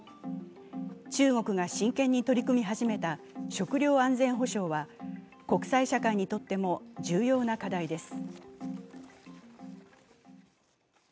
中国が真剣に取り組み始めた食料安全保障は、国際社会にとっても重要な課題です。